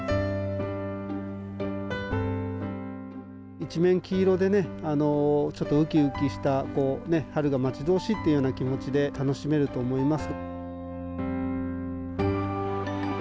一面、黄色でうきうきした春が待ち遠しいというような気持ちで楽しめると思います。